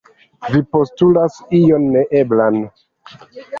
Vi postulas ion neeblan.